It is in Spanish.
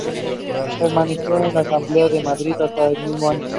Permaneció en la Asamblea de Madrid hasta el mismo año.